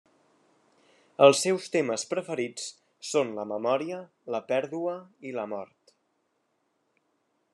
Els seus temes preferits són la memòria, la pèrdua i la mort.